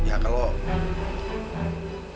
dia itu bukan mas iksan